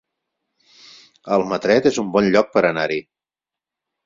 Almatret es un bon lloc per anar-hi